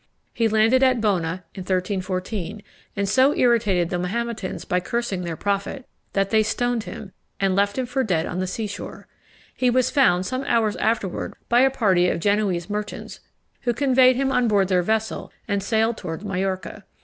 He landed at Bona in 1314, and so irritated the Mahometans by cursing their prophet, that they stoned him, and left him for dead on the sea shore. He was found some hours afterwards by a party of Genoese merchants, who conveyed him on board their vessel, and sailed towards Majorca.